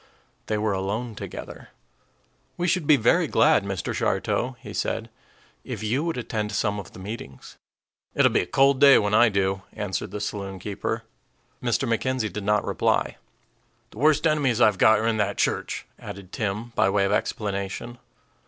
They were alone together. "We should be very glad, Mr. Shartow," he said, "if you would attend some of the meetings." "It'll be a cold day when I do," answered the saloon keeper. Mr. McKenzie did not reply. "The worst enemies I've got are in that church," added Tim, by way of explanation.